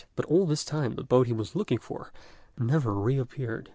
But all this time the boat he was looking for never reappeared.